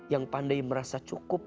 yang pandai merasa cukup